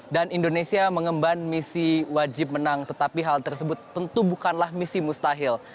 dan indonesia mengemban misi wajib menang tetapi hal tersebut tentu bukanlah misi mustahil